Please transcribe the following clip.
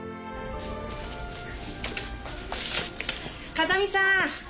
風見さん